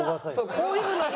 こういうのが。